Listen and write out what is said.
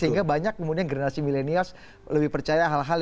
sehingga banyak kemudian generasi milenials lebih percaya hal hal